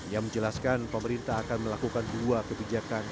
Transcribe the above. ia menjelaskan pemerintah akan melakukan dua kebijakan